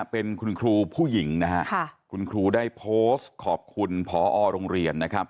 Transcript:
เป็นคุณครูผู้หญิงนะฮะคุณครูได้โพสต์ขอบคุณพอโรงเรียนนะครับ